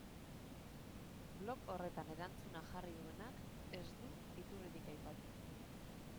Blog horretan erantzuna jarri duenak ez du iturririk aipatu.